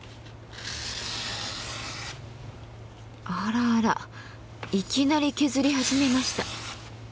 あらあらいきなり削り始めました。